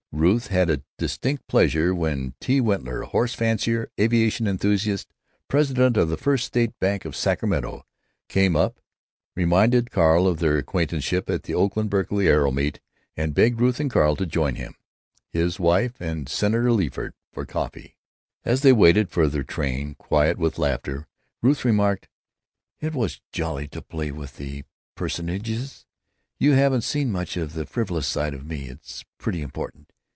Ruth had a distinct pleasure when T. Wentler, horse fancier, aviation enthusiast, president of the First State Bank of Sacramento, came up, reminded Carl of their acquaintanceship at the Oakland Berkeley Aero Meet, and begged Ruth and Carl to join him, his wife, and Senator Leeford, for coffee. As they waited for their train, quiet after laughter, Ruth remarked: "It was jolly to play with the Personages. You haven't seen much of the frivolous side of me. It's pretty important.